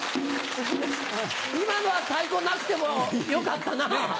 今のは太鼓なくてもよかったなぁ。